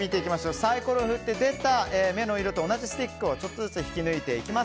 サイコロを振って出た目の色と同じスティックをちょっとずつ引き抜いていきます。